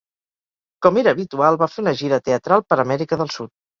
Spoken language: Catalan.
Com era habitual, va fer una gira teatral per Amèrica del Sud.